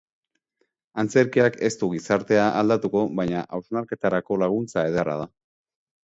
Antzerkiak ez du gizartea aldatuko, baina hausnarketarako laguntza ederra da.